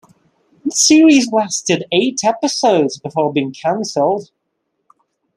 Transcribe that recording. The series lasted eight episodes before being canceled.